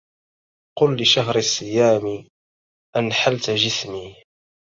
قل لشهر الصيام أنحلت جسمي